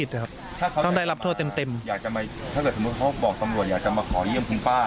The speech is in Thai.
อยากจะมาถ้าสมมติเขาก็บอกตำรวจอยากจะมาขอยี่ยมคุณป้า